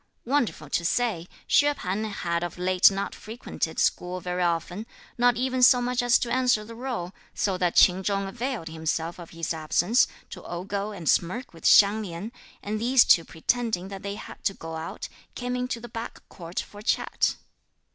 Wonderful to say Hsüeh P'an had of late not frequented school very often, not even so much as to answer the roll, so that Ch'in Chung availed himself of his absence to ogle and smirk with Hsiang Lin; and these two pretending that they had to go out, came into the back court for a chat.